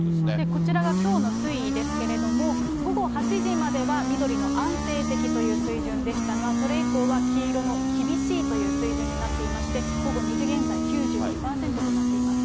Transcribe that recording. こちらがきょうの推移ですけれども、午後８時までは、緑の安定的という水準でしたが、それ以降は黄色の厳しいという水準になっていまして、午後２時現在９２％となっています。